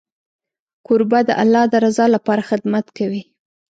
کوربه د الله د رضا لپاره خدمت کوي.